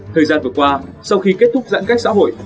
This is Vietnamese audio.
thời gian vừa qua sau khi kết thúc giãn cách xã hội